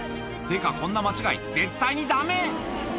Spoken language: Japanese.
てか、こんな間違い、絶対にだめ。